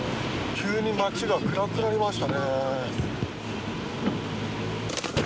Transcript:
急に町が暗くなりましたね。